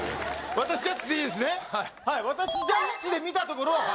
私ジャッジで見たところ。